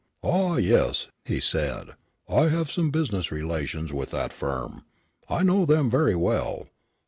"Ah, yes," he said. "I have some business relations with that firm. I know them very well.